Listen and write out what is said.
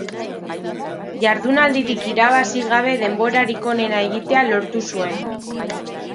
Jardunaldirik irabazi gabe denborarik onena egitea lortu zuen.